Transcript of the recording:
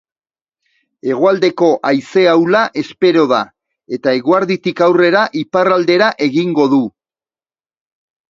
Hegoaldeko haize ahula espero da, eta eguerditik aurrera iparraldera egingo du.